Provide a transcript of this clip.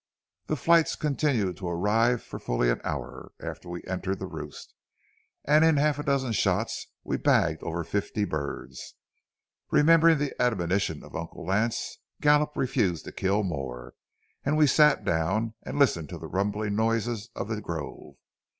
The flights continued to arrive for fully an hour after we entered the roost, and in half a dozen shots we bagged over fifty birds. Remembering the admonition of Uncle Lance, Gallup refused to kill more, and we sat down and listened to the rumbling noises of the grove.